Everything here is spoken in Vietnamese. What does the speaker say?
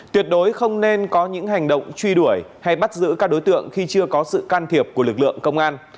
tuyệt đối không nên có những hành động truy đuổi hay bắt giữ các đối tượng khi chưa có sự can thiệp của lực lượng công an